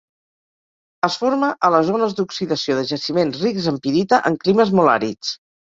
Es forma a les zones d'oxidació de jaciments rics en pirita en climes molt àrids.